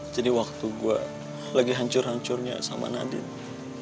jadi waktu gue lagi hancur hancurnya sama nadine